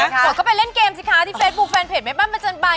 สวดก็ไปเล่นเกมสิคะที่เฟซบุ๊คแฟนเพจแม่บ้านประจำบาน